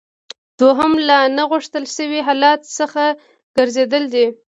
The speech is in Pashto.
دوهم له نه غوښتل شوي حالت څخه ګرځیدل دي.